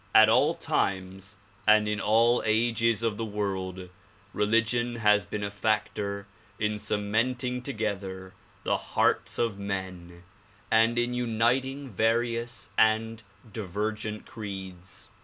At all times and in all ages of the world, religion has been a factor in cementing together the hearts of men and in uniting various and divergent creeds.